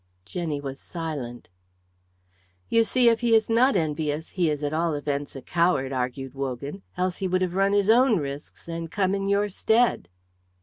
Jenny was silent. "You see, if he is not envious, he is at all events a coward," argued Wogan, "else he would have run his own risks and come in your stead."